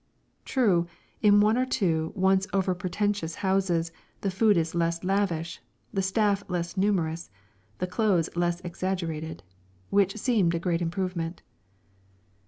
True, in one or two once over pretentious houses the food is less lavish, the staff less numerous, the clothes less exaggerated; which seemed a great improvement.